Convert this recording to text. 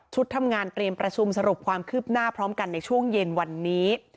ทำงานเตรียมประชุมสรุปความคืบหน้าพร้อมกันในช่วงเย็นวันนี้